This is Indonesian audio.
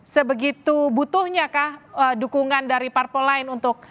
sebegitu butuhnya kah dukungan dari parpol lain untuk